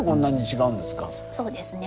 そうですね。